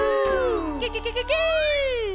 ケケケケケ。